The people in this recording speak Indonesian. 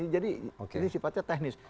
jadi ini sifatnya teknis